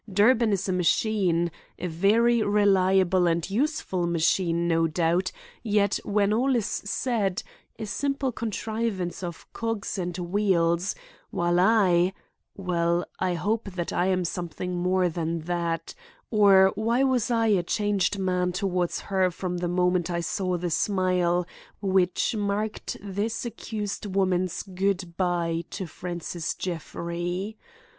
Durbin is a machine—a very reliable and useful machine, no doubt, yet when all is said, a simple contrivance of cogs and wheels; while I—well, I hope that I am something more than that; or why was I a changed man toward her from the moment I saw the smile which marked this accused woman's good by to Francis Jeffrey.